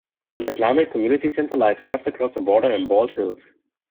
An Islamic community centre lies just across the border in Bald Hills.